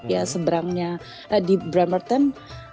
ya seberangnya di bremerton